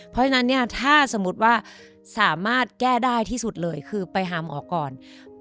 เพราะฉะนั้นเนี่ยถ้าสมมุติว่าสามารถแก้ได้ที่สุดเลยคือไปหาหมอก่อน